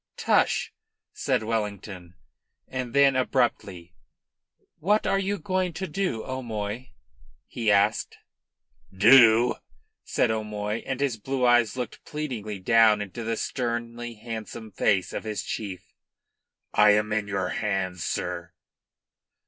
"Tush!" said Wellington, and then abruptly: "What are you going to do, O'Moy?" he asked. "Do?" said O'Moy, and his blue eyes looked pleadingly down into the sternly handsome face of his chief, "I am in your hands, sir."